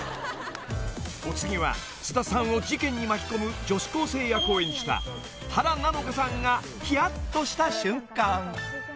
［お次は菅田さんを事件に巻き込む女子高生役を演じた原菜乃華さんがひやっとした瞬間］